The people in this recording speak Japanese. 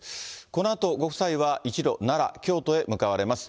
このあとご夫妻は、一路、奈良、京都へ向かわれます。